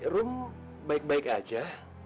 room baik baik aja